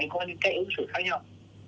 có những cách ứng xử khác nhau